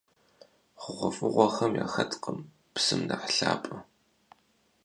ХъугъуэфӀыгъуэхэм яхэткъым псым нэхъ лъапӀэ.